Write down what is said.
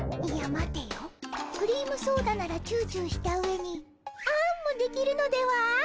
待てよクリームソーダならチューチューしたうえにあんもできるのでは？